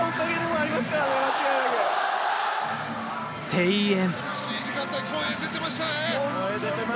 声援。